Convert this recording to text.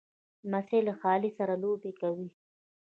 لمسی له خالې سره لوبې کوي.